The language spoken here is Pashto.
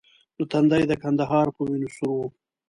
نه تندی د کندهار په وینو سور وو.